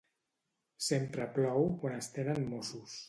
Sempre plou quan es tenen mossos.